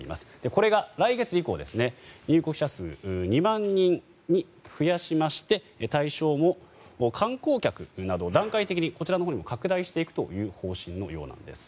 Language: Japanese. これが来月以降入国者数２万人に増やしまして対象も観光客など段階的に拡大していくという方針のようなんです。